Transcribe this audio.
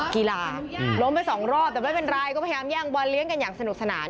กีฬาล้มไปสองรอบแต่ไม่เป็นไรก็พยายามแย่งบอลเลี้ยงกันอย่างสนุกสนาน